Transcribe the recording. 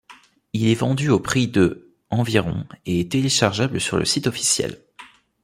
Il est vendu au prix de environ et est téléchargeable sur le site officiel.